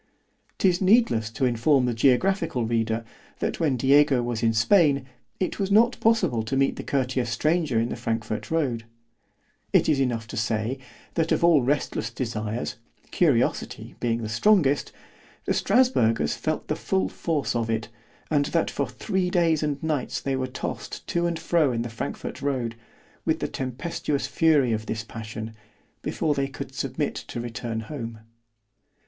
_ 'Tis needless to inform the geographical reader, that when Diego was in Spain, it was not possible to meet the courteous stranger in the Frankfort road; it is enough to say, that of all restless desires, curiosity being the strongest——the Strasburgers felt the full force of it; and that for three days and nights they were tossed to and fro in the Frankfort road, with the tempestuous fury of this passion, before they could submit to return home.